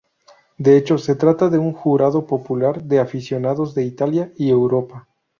De hecho, se trata de un jurado popular de aficionados de Italia y Europa.